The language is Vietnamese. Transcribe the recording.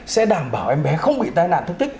sẽ đảm bảo em bé không bị tai nạn thương tích